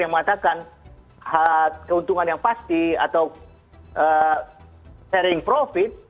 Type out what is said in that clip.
yang mengatakan keuntungan yang pasti atau sharing profit